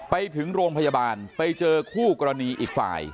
ไปถึงโรงพยาบาลไปเจอคู่กรณีอีกฝ่าย